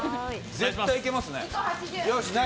絶対いけますね。